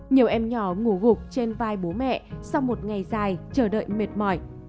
nhiều em nhỏ ngủ gục trên vai bố mẹ sau một ngày dài chờ đợi mệt mỏi